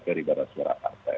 daripada suara partai